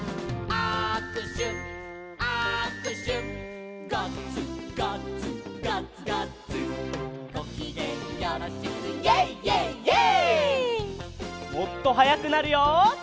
「あくしゅあくしゅ」「ガッツガッツガッツガッツ」「ごきげんよろしくイェイイェイイェイ！」